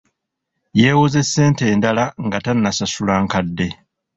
Yeewoze ssente endala nga tannasasula nkadde.